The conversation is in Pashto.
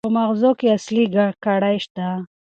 په ماغزو کې اصلي ګړۍ ده.